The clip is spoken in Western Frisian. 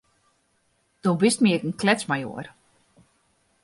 Do bist my ek in kletsmajoar.